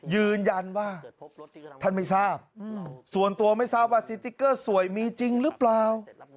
ยืนยันว่าท่านไม่ทราบส่วนตัวไม่ทราบว่าสติ๊กเกอร์สวยมีจริงหรือเปล่า